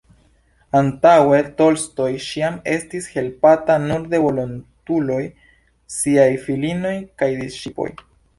Antaŭe Tolstoj ĉiam estis helpata nur de volontuloj, siaj filinoj kaj «disĉiploj».